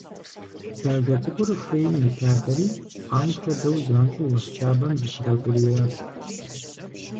Бажэ цӀыкӀур хуейм илъадэри, лӀам хуэдэу, занщӀэу уэс щабэм зыхигъэукӀуриящ.